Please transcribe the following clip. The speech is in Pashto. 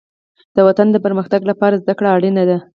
د وطن د پرمختګ لپاره زدهکړه اړینه ده.